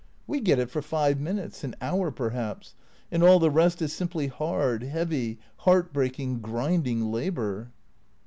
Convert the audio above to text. We get it for five minutes, an hour, perhaps, and all the rest is simply hard, heavy, heartbreaking, grinding labour."